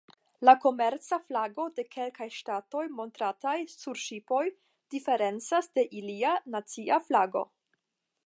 La komerca flago de kelkaj ŝtatoj montrataj sur ŝipoj diferencas de ilia nacia flago.